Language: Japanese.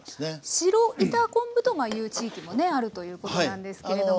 白板昆布という地域もあるということなんですけれども。